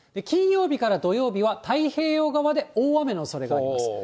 金曜日から土曜日は太平洋側で大雨のおそれがあります。